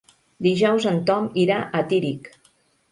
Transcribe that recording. Dijous en Tom irà a Tírig.